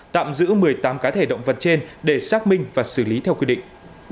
tạm giữ một mươi tám cá thể động vật trên để xác minh và xử lý theo quy định